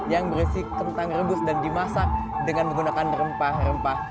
yang berisi kentang rebus dan dimasak dengan menggunakan rempah rempah